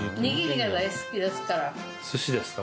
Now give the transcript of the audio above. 寿司ですか？